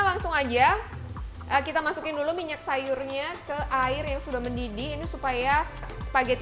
langsung aja kita masukin dulu minyak sayurnya ke air yang sudah mendidih ini supaya spaghetti